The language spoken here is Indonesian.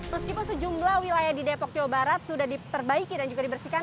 meskipun sejumlah wilayah di depok jawa barat sudah diperbaiki dan juga dibersihkan